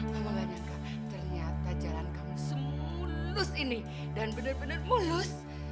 mama gak nyangka ternyata jalan kamu semulus ini dan benar benar mulus